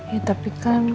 ya tapi kan